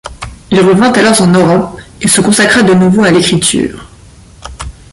Il revint alors en Europe et se consacra de nouveau à l'écriture.